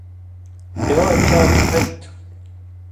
اِواں چام پھلیۡ تُھو